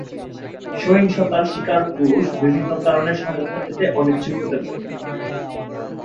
সহিংসতার শিকার পুরুষ বিভিন্ন কারণে সহায়তা পেতে অনিচ্ছুক হতে পারেন।